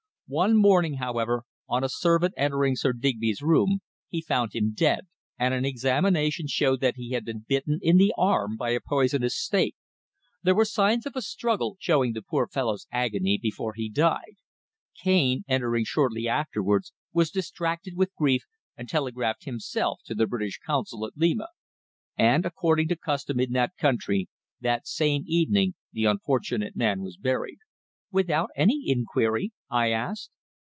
One morning, however, on a servant entering Sir Digby's room, he found him dead, and an examination showed that he had been bitten in the arm by a poisonous snake. There were signs of a struggle, showing the poor fellow's agony before he died. Cane, entering shortly afterwards, was distracted with grief, and telegraphed himself to the British Consul at Lima. And, according to custom in that country, that same evening the unfortunate man was buried." "Without any inquiry?" I asked.